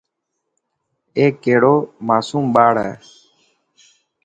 اي ڪهڙو ماصوم ٻاڙ هي.